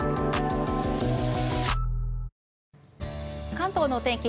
関東のお天気